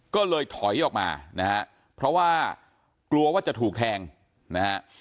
ก็เลยถอยออกมานะฮะเพราะว่ากลัวว่าจะถูกแทงนะฮะ